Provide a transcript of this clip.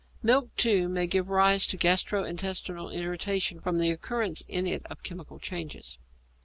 Milk, too, may give rise to gastro intestinal irritation from the occurrence in it of chemical changes.